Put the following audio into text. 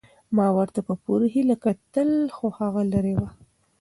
ما ورته په پوره هیله کتل خو هغه لیرې وه.